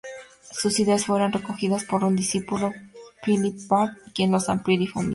Sus ideas fueron recogidas por su discípulo Philip Bard, quien las amplió y difundió.